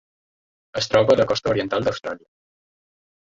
Es troba a la costa oriental d'Austràlia.